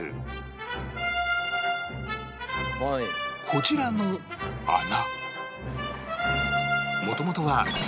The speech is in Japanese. こちらの穴